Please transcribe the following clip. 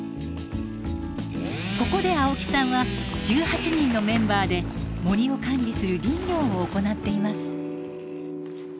ここで青木さんは１８人のメンバーで森を管理する林業を行っています。